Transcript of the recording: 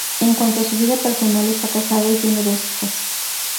En cuanto a su vida personal, está casado y tiene dos hijas.